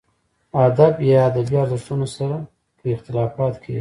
ادب یا ادبي ارزښتونو سره که اختلاف کېږي.